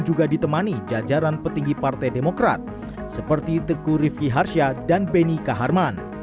juga ditemani jajaran petinggi partai demokrat seperti teguh rifki harsya dan beni kaharman